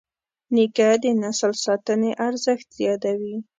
نیکه د نسل ساتنې ارزښت یادوي.